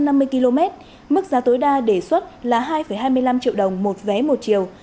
đường bay từ tám trăm năm mươi km đến dưới tám trăm năm mươi km mức giá tối đa đề xuất là hai hai mươi năm triệu đồng một vé một triều